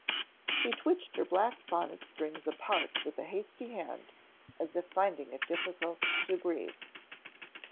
She twitched her black bonnet strings apart with a hasty hand, as if finding it difficult to breathe.